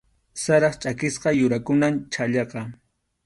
Sarap chʼakisqa yurakunam chhallaqa.